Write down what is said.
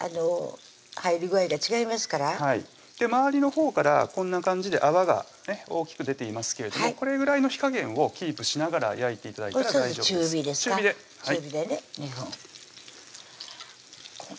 入り具合が違いますから周りのほうからこんな感じで泡が大きく出ていますけれどもこれぐらいの火加減をキープしながら焼いて頂いたら大丈夫です中火ですか？